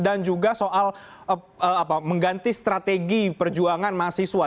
dan juga soal mengganti strategi perjuangan mahasiswa